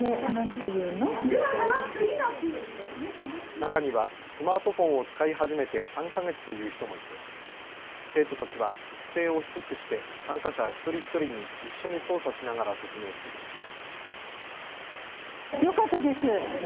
中にはスマートフォンを使い始めて３か月という人もいて生徒たちは姿勢を低くして参加者一人一人に一緒に操作しながら説明していました。